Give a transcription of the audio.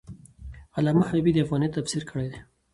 علامه حبیبي د افغانیت تفسیر کړی دی.